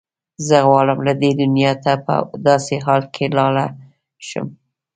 زه غواړم له دې دنیا نه په داسې حال کې لاړه شم.